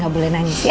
gak boleh nangis ya